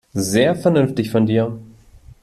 Sehr vernünftig von dir.